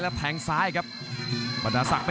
รับทราบบรรดาศักดิ์